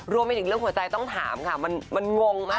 รวมไปถึงเรื่องหัวใจต้องถามค่ะมันงงมาก